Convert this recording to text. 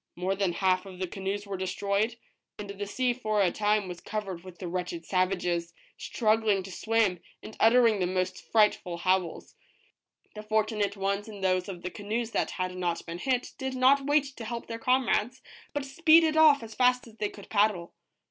More than half of the canoes were destroyed, and the sea 150 ROBINSON CRUSOE. for a time was covered with the wretched savages, struggling o oo o to swim, and uttering the most frightful howls. The fortu nate ones in those of the canoes that had not been hit did not wait to help their comrades, but speeded off as fast as they could paddle.